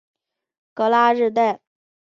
戈拉日代。